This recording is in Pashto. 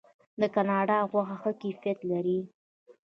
د کاناډا غوښه ښه کیفیت لري.